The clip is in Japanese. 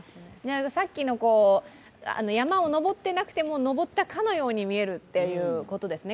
さっきの山を登ってなくても登ったかのように見えるということですね。